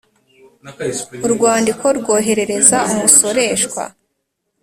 Urwandiko rwoherereza umusoreshwa.